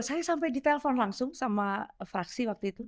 saya sampai ditelepon langsung sama fraksi waktu itu